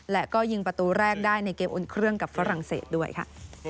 และก็ยิงประตูแรกได้ในเกมอุ่นเครื่องกับฝรั่งเศสด้วยค่ะ